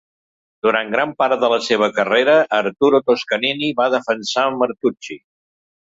Durant gran part de la seva carrera, Arturo Toscanini va defensar Martucci.